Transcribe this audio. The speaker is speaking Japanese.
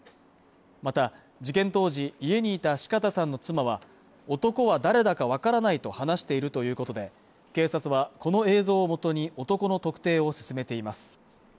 また事件当時家にいた四方さんの妻は男は誰だか分からないと話しているということで警察はこの映像をもとに男の特定を進めています